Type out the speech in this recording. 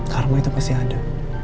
karma itu pasti ada